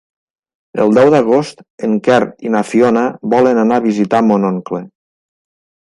El deu d'agost en Quer i na Fiona volen anar a visitar mon oncle.